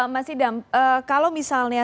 mas hidam kalau misalnya